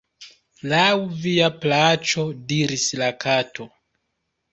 "Laŭ via plaĉo," diris la Kato.